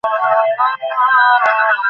জাতির জীবনপ্রবাহ ও জীবনোদ্দেশ্য আজিও তেমনই আছে।